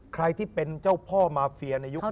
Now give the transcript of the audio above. ใครที่เป็นเจ้าพ่อมาเฟียในยุค